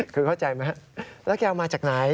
คือเข้าใจไหมแล้วแกเอามาจากไหน